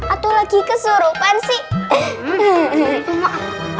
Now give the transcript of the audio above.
atau lagi kesorupan sih